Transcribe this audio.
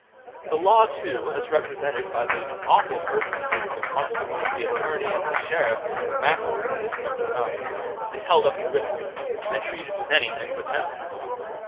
The Law, too, as represented by those awful personages the Constable, the Attorney, and the Sheriff in "The Mastermaid", No. xi, is held up to ridicule, and treated with anything but tenderness.